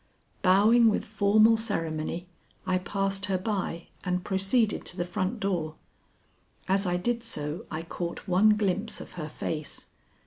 Bowing with formal ceremony, I passed her by and proceeded to the front door. As I did so I caught one glimpse of her face.